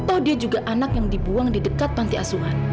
oh dia juga anak yang dibuang di dekat panti asuhan